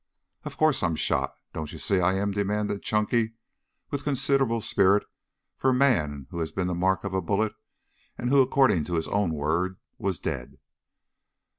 "Of course I'm shot. Don't you see I am?" demanded Chunky with considerable spirit for a man who had been the mark of a bullet and who according to his own word was dead.